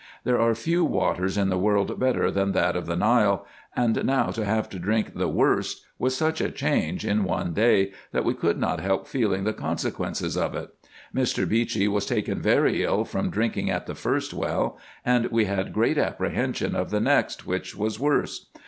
There are few waters in the world better than that of the Nile ; and now to have to drink the worst was such a change in one day, that we could not help feeling the consequences of it. Mr. Beechey was taken very ill, from drinking at the first well, and we had great apprehension of the next, which was worse.